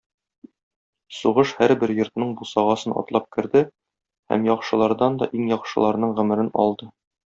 Сугыш һәрбер йортның бусагасын атлап керде һәм яхшылардан да иң яхшыларның гомерен алды.